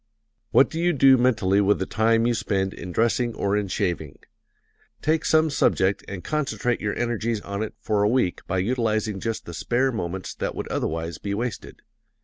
What do you do mentally with the time you spend in dressing or in shaving? Take some subject and concentrate your energies on it for a week by utilizing just the spare moments that would otherwise be wasted.